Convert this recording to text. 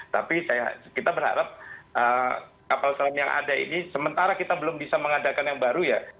tapi kita berharap kapal selam yang ada ini sementara kita belum bisa mengadakan yang baru ya